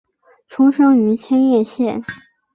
出生于千叶县。